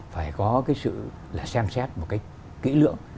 phải có cái sự là xem xét một cách kỹ lưỡng